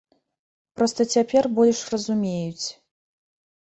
Проста цяпер больш разумеюць.